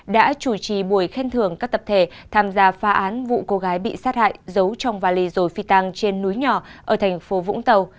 đã chủ trì buổi khen thưởng các tập thể tham gia phá án vụ cô gái bị sát hại giấu trong và lì dồi phi tăng trên núi nhỏ ở tp vũng tàu